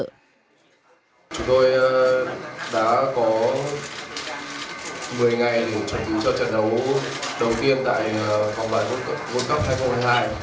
chúng tôi đã có một mươi ngày để chuẩn bị cho trận đấu đầu tiên tại vòng loại world cup hai nghìn hai mươi hai